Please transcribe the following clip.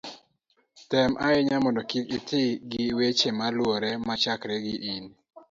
tem ahinya mondo kik iti gi weche maluwore machakre gi in